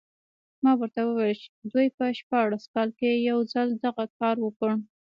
ما ورته وویل دوی په شپاړس کال کې یو ځل دغه کار وکړ.